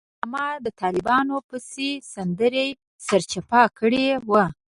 ښایسته ګل ماما د طالبانو پسې سندره سرچپه کړې وه.